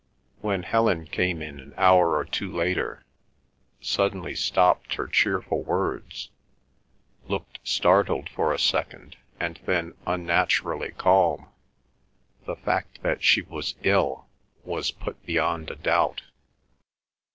When Helen came in an hour or two later, suddenly stopped her cheerful words, looked startled for a second and then unnaturally calm, the fact that she was ill was put beyond a doubt.